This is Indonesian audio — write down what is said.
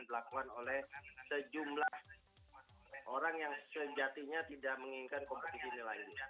dilakukan oleh sejumlah orang yang sejatinya tidak menginginkan kompetisi ini lagi